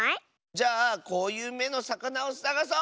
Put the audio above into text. じゃあこういう「め」のさかなをさがそう！